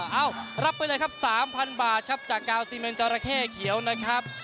เอ้ารับไปเลยครับ๓๐๐บาทครับจากกาวซีเมนจราเข้เขียวนะครับ